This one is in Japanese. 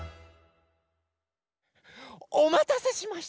おまたせしました。